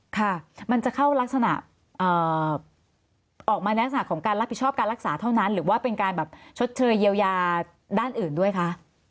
ค่ะมันจะเข้ารักษณะออกมาในลักษณะของการรับผิดชอบการรักษาเท่านั้นหรือว่าเป็นการแบบชดเชยเยียวยาด้านอื่นด้วยคะ